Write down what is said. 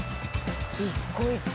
一個一個。